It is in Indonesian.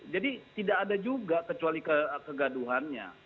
jadi tidak ada juga kecuali kegaduhannya